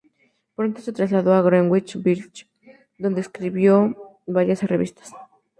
Pronto se trasladó a Greenwich Village y escribió para varias revistas.